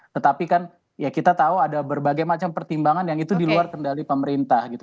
tetapi kan ya kita tahu ada berbagai macam pertimbangan yang itu di luar kendali pemerintah gitu